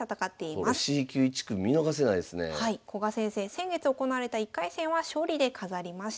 先月行われた１回戦は勝利で飾りました。